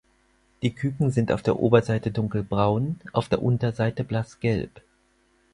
Die Küken sind auf der Oberseite dunkelbraun, auf der Unterseite blassgelb.